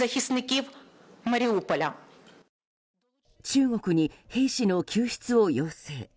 中国に兵士の救出を要請。